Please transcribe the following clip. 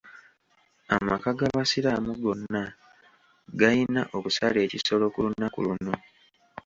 Amaka g'abasiraamu gonna gayina okusala ekisolo ku lunaku luno.